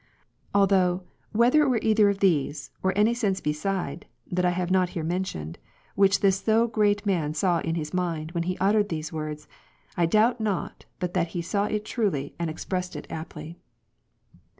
Although, whether it were either of these, or any sense beside, (that I have not here mentioned,) which this so great man saw in his mind, when he uttered these words, I doubt not but that he saw it truly, and ex pressed it aptly.